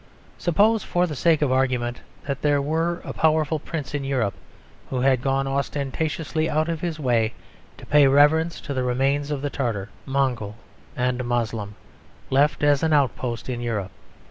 Suppose, for the sake of argument, that there were a powerful prince in Europe who had gone ostentatiously out of his way to pay reverence to the remains of the Tartar, Mongol and Moslem, left as an outpost in Europe.